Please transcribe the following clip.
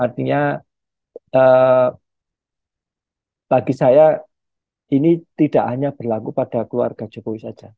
artinya bagi saya ini tidak hanya berlaku pada keluarga jokowi saja